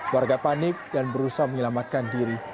warga panik dan berusaha menyelamatkan diri